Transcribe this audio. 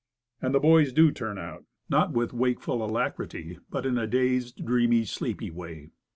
And the boys do turn out. Not with wakeful alacrity, but in a dazed, dreamy, sleepy way.